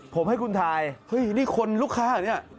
ผมให้คุณทายอเจมส์นี่คนลูกค้ากันนี่